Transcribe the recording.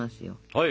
はい。